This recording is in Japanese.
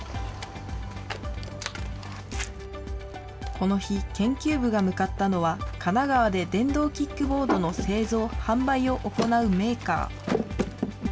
この日、研究部が向かったのは、神奈川で電動キックボードの製造・販売を行うメーカー。